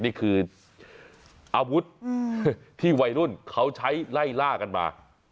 นี่คืออาวุธที่วัยรุ่นเขาใช้ไล่ล่ากันมา